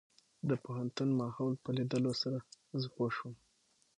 د پوهنتون ماحول په ليدلو سره زه پوه شوم.